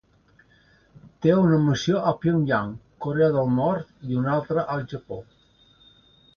Té una missió a Pyongyang, Corea del Nord i una altra al Japó.